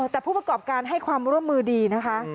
แต่ผู้ประกอบการให้ความร่วมมือดีนะคะ